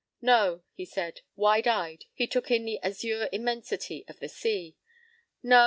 p> "No," he said. Wide eyed, he took in the azure immensity of the sea. "No.